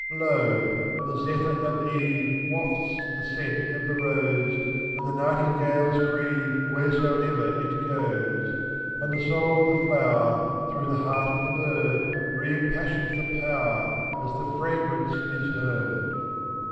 463 Lo! the zephyr of eve Wafts the scent of the rose, And the nightingales grieve Wheresoever it goes. And the soul of the flower, Through the heart of the bird, Re impassions the Power As the fragrance is heard!